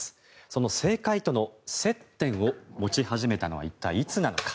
その政界との接点を持ち始めたのは一体いつなのか。